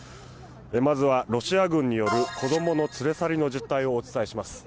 まずはロシア軍による子供の連れ去りの実態をお伝えします。